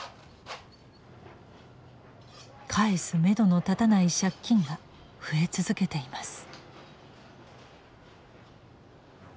返すめどの立たない借金が増え続けています。